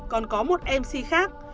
còn có một mc khác